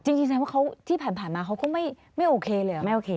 จริงคิดว่าเขาที่ผ่านมาเขาก็ไม่โอเคเลยหรือ